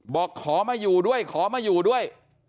บอกขอมาอยู่ด้วยขอมาอยู่ด้วย